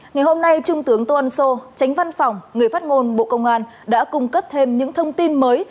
ngày hôm nay trung tướng tô ân sô tránh văn phòng người phát ngôn bộ công an đã cung cấp thêm những thông tin mới